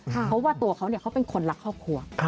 เพราะว่าตัวเขาเขาเป็นคนรักครอบครัว